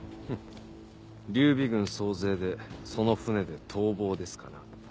フン劉備軍総勢でその船で逃亡ですかな？